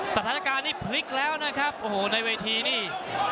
สถานการณ์นี้พลิกแล้วนะครับโอ้โหในเวทีนี่